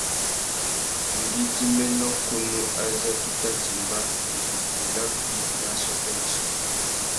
Ngüidjiménô kunú azê tu tà timba, i zu djï nà mpí nà assôtô yissú.